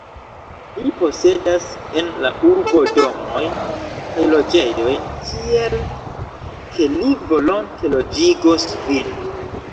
Li posedas en la urbo domojn kaj loĝejojn, tiel ke li volonte loĝigos vin.